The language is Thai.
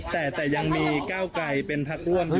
แต่ยังมีเก้าไกรเป็นภักด์อ้วนอยู่